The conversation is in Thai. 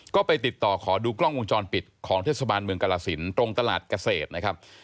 ก็ไปติดต่อขอดูกล้องวงจรปิดของเทศบาลเมืองกรสินตรงตลาดเกษตรนะครับ